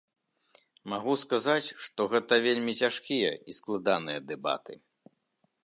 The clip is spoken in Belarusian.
Магу сказаць, што гэта вельмі цяжкія і складаныя дэбаты.